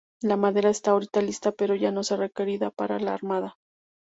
La madera está ahora lista, pero ya no es requerida para la armada.